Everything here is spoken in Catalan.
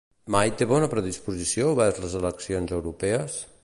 May té bona predisposició vers les eleccions europees?